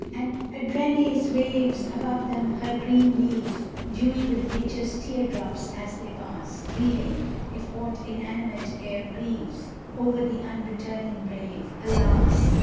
And Ardennes waves above them her green leaves, Dewy with nature's teardrops, as they pass, Grieving, if aught inanimate e'er grieves, Over the unreturning brave alas!